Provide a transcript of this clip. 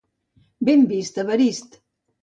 Ben vist, Evarist!